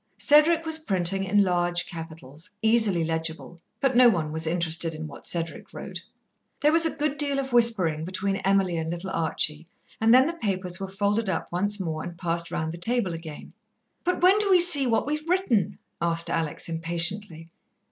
Cedric was printing in large capitals, easily legible, but no one was interested in what Cedric wrote. There was a good deal of whispering between Emily and little Archie, and then the papers were folded up once more and passed round the table again. "But when do we see what we've written?" asked Alex impatiently.